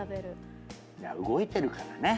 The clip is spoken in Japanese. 動いてるからね。